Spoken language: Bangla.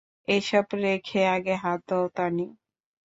এসব রেখে আগে হাত ধোও, তানি।